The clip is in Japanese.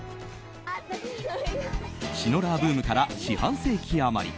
シノラーブームから四半世紀余り。